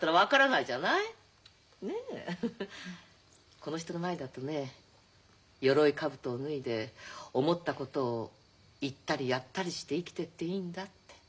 この人の前だとね鎧兜を脱いで思ったことを言ったりやったりして生きてっていいんだって。